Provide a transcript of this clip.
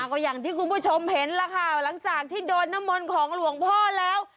ก็อย่างที่คุณผู้ชมเห็นล่ะค่ะหลังจากที่โดนน้ำมนต์ของหลวงพ่อแล้ว